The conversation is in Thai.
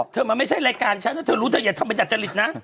มันไม่ใช่รายการฉันถ้าเธอรู้เธออย่าทำเป็นดัจจริตนะ